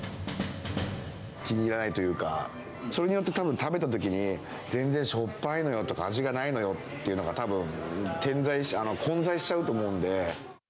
気に入らないというか、それによってたぶん、食べたときに、全然しょっぱいのよとか、味がないのよっていうのが、たぶん混在しちゃうと思うんで。